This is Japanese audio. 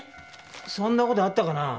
そんな事あったかな？